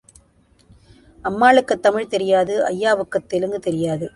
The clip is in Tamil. அம்மாளுக்குத் தமிழ் தெரியாது ஐயாவுக்குத் தெலுங்கு தெரியாது.